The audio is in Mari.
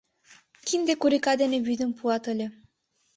Кинде курика ден вӱдым пуат ыле.